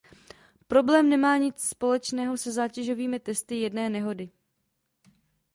Problém nemá nic společného se zátěžovými testy jedné nehody.